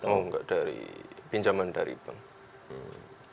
oh enggak dari pinjaman dari bank